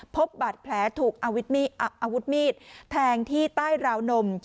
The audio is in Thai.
พบบาดแผลถูกอาวุธมีดแทงที่ใต้ราวนม